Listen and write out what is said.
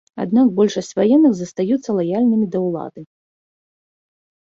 Аднак большасць ваенных застаюцца лаяльнымі да ўлады.